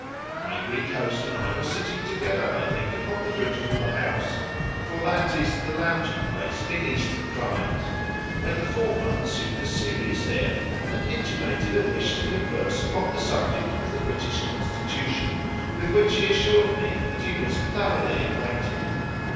My Greek host and I were sitting together, I think, upon the roof of the house (for that is the lounging place in Eastern climes), when the former assumed a serious air, and intimated a wish to converse upon the subject of the British Constitution, with which he assured me that he was thoroughly acquainted.